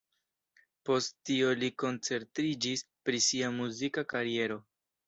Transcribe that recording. Post tio li koncentriĝis pri sia muzika kariero.